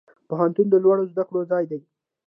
پوهنتون د لوړو زده کړو ځای دی